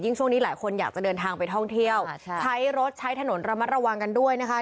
ช่วงนี้หลายคนอยากจะเดินทางไปท่องเที่ยวใช้รถใช้ถนนระมัดระวังกันด้วยนะคะ